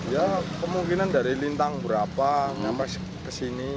ya kemungkinan dari lintang berapa sampai kesini